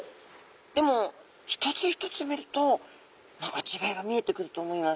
でも一つ一つ見ると何か違いが見えてくると思います。